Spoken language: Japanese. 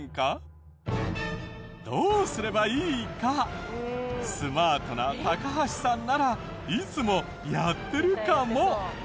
どうすればいいかスマートな高橋さんならいつもやってるかも？